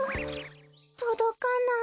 とどかない。